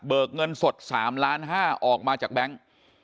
เงินสด๓ล้าน๕ออกมาจากแบงค์